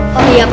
aku bisa mencoba